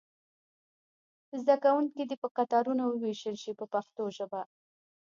زده کوونکي دې په کتارونو وویشل شي په پښتو ژبه.